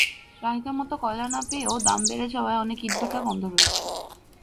চাহিদামতো কয়লা না পেয়ে ও দাম বেড়ে যাওয়ায় অনেক ইটভাটা বন্ধ রয়েছে।